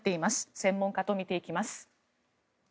専門家と見ていきます。